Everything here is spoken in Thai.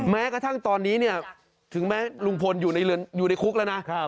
แม้กระทั่งตอนนี้เนี่ยถึงแม้ลุงพลอยู่ในคุกแล้วนะ